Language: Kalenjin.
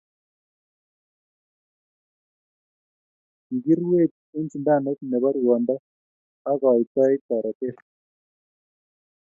Kikirueech eng sindanot nebo ruondo ak koitoi toretet.